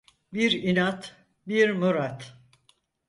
Bir inat, bir murat.